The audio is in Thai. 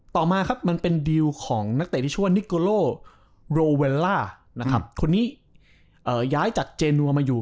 ต่อมาครับมันเป็นเดียวของนักต่ายปิชชั่วนิโกโลโรเวลล่าคนนี้ย้ายจากเจนวมาอยู่